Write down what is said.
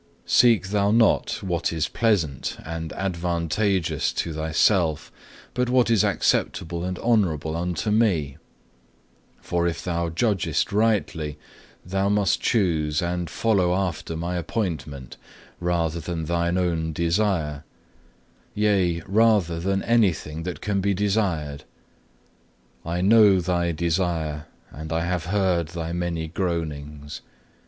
3. "Seek thou not what is pleasant and advantageous to thyself, but what is acceptable and honourable unto Me; for if thou judgest rightly, thou must choose and follow after My appointment rather than thine own desire; yea, rather than anything that can be desired. I know thy desire, and I have heard thy many groanings.